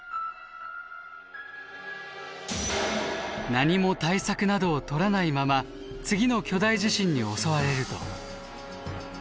何も対策などをとらないまま次の巨大地震に襲われると。